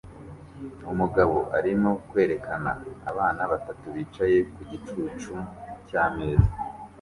Umugabo arimo kwerekana abana batatu bicaye ku gicucu cyameza